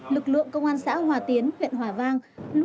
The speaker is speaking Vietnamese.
lực lượng công an xã hòa tiến huyện hòa vang